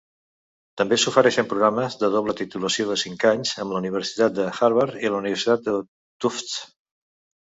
També s'ofereixen programes de doble titulació de cinc anys amb la Universitat de Harvard i la Universitat de Tufts.